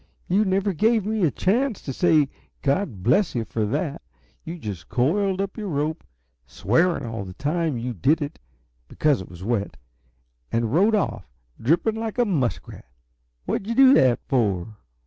You never gave me a chance to say 'God bless you' for that; you just coiled up your rope swearing all the time you did it, because it was wet and rode off, dripping like a muskrat. What did you do it for?"